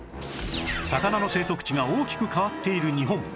魚の生息地が大きく変わっている日本